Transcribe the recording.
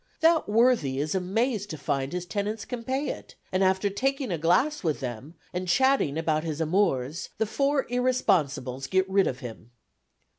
That worthy is amazed to find his tenants can pay it, and after taking a glass with them, and chatting about his amours, the four irresponsibles get rid of him.